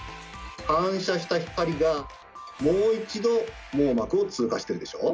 反射した光がもう一度網膜を通過してるでしょ？